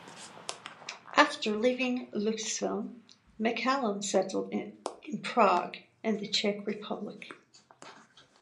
After leaving Lucasfilm, McCallum settled in Prague in the Czech Republic.